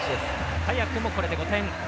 早くもこれで５点。